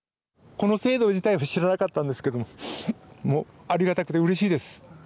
この制度自体を知らなかったんですけれどもありがたくて、うれしいです。